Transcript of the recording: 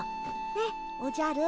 ねっおじゃる。